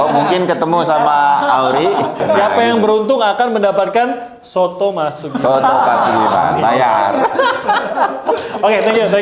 mungkin ketemu sama auri siapa yang beruntung akan mendapatkan soto masuk